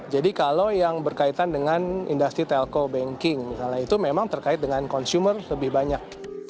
jadi kalau yang berkaitan dengan industri telco banking itu memang terkait dengan konsumer lebih banyak